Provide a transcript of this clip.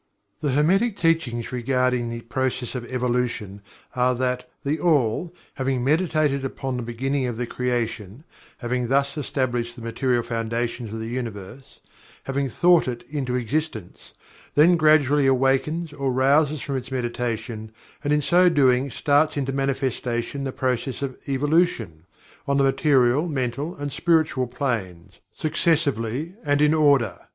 The Hermetic Teachings regarding the process of Evolution are that, THE ALL, having meditated upon the beginning of the Creation having thus established the material foundations of the Universe having thought it into existence then gradually awakens or rouses from its Meditation and in so doing starts into manifestation the process of Evolution, on the material mental and spiritual planes, successively and in order.